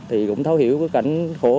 thì cũng thấu hiểu cái cảnh khổ